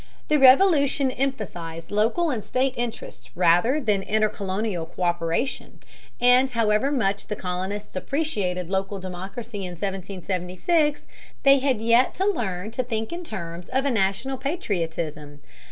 The Revolution emphasized local and state interests rather than intercolonial co÷peration, and however much the colonists appreciated local democracy in 1776, they had yet to learn to think in terms of a national patriotism.